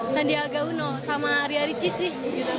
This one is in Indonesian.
sandiaga uno sama ria ricis sih